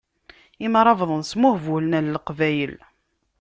Imṛabḍen smuhbulen ɣer leqbayel.